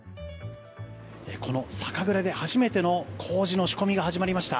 この酒蔵で初めての麹の仕込みが始まりました。